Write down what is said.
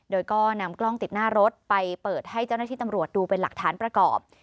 โดยก็นำกล้องติดหน้ารถไปเปิดให้เจ้าหน้าที่ตำรวจดูเป็นหลักฐานประกอบ